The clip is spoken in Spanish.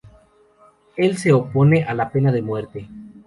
El se opone a la pena de muerte.